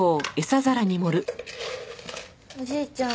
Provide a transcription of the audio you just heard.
おじいちゃん。